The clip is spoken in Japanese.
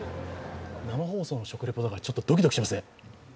生放送の食レポだから、ちょっとドキドキしますね。